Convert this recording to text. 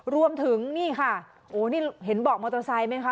รวมถึงนี่ค่ะโอ้นี่เห็นบอกมอเตอร์ไซค์ไหมคะ